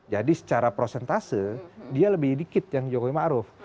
jadi secara prosentase dia lebih dikit yang jokowi maruf